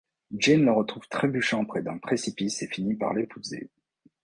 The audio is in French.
Jane le retrouve trébuchant près d'un précipice et finit par l'épouser.